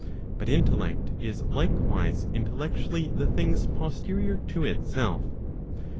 But intellect is likewise intellectually the things posterior to itself.